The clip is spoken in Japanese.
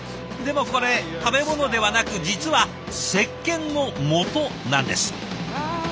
でもこれ食べ物ではなく実は石鹸のもとなんです。